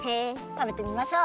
たべてみましょう。